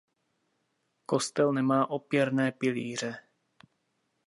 Kostel nemá opěrné pilíře.